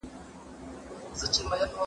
د فبرورۍ څلور ویشتمه زموږ د زړه ورځ ده.